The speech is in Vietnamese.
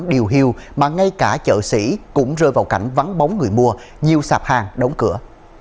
điều hưu mà ngay cả chợ sĩ cũng rơi vào cảnh vắng bóng người mua nhiều sạp hàng đóng cửa